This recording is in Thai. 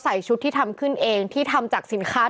ชุดที่ทำขึ้นเองที่ทำจากสินค้า